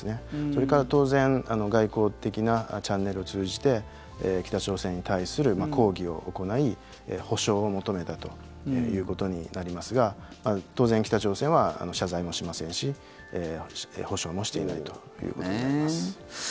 それから当然外交的なチャンネルを通じて北朝鮮に対する抗議を行い補償を求めたということになりますが当然、北朝鮮は謝罪もしませんし補償もしていないということになります。